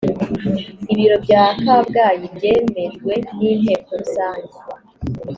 ibiro bya kabgayi byemejwe n’inteko rusange